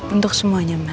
untuk semuanya mas